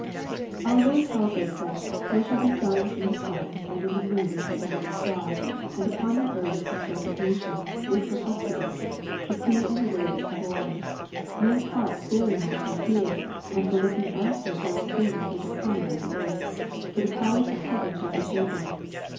Our Lord tells us that '^ there shall be signs in the sun, and in the moon, and in the stars ; and upon the earth distress of nations, with perplexity ; the sea and the waves roaring ; men's hearts failing them for fear, and for looking after those things which are coming on the earth : for the powers of heaven shall be shaken.